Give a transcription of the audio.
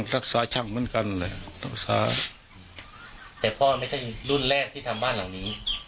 ซักซอยช่ำเหมือนกันซักซอยแต่พ่อไม่ใช่รุ่นแรกที่ทำบ้านหลังนี้